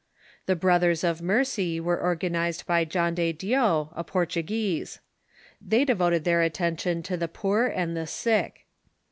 The Brothers of Mercy were organized by John de Dio, a Portuguese. They devoted their attention to the poor and the sick.